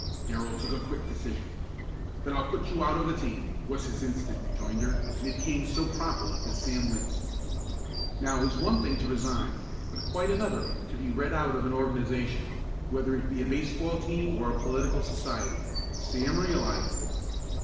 Darrell took a quick decision. "Then I'll put you out of the team!" was his instant rejoinder, and it came so promptly that Sam winced. Now it is one thing to resign, but quite another to be read out of an organization, whether it be a baseball team or a political society. Sam realized this.